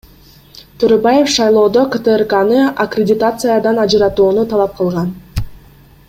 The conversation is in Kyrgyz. Төрөбаев шайлоодо КТРКны аккредитациядан ажыратууну талап кылган.